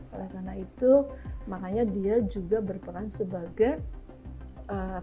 karena itu makanya dia juga berperan sebagai faktor penyakit